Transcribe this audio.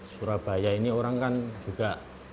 surabaya ini orang kan juga